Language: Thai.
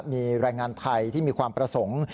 มีแรงงานไทยที่มีความประสงค์